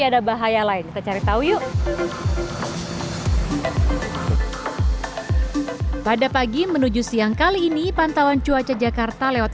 ada bahaya lain kita cari tahu yuk pada pagi menuju siang kali ini pantauan cuaca jakarta lewat